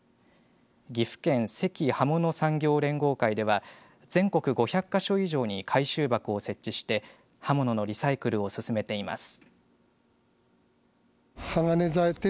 岐阜県関刃物産業連合会では全国５００か所以上に回収箱を設置して刃物のリサイクルを進めています。